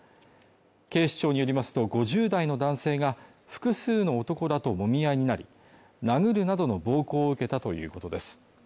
警視庁によりますと５０代の男性が複数の男らともみ合いになり、殴るなどの暴行を受けたということです。